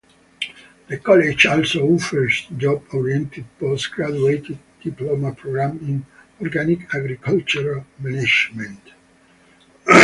The college also offers job oriented post graduate diploma programme in Organic Agriculture Management.